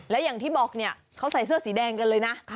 และอย่างที่บอกเนี่ยเขาใส่เสื้อสีแดงกันเลยนะ